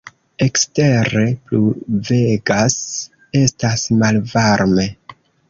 Ekstere pluvegas, estas malvarme.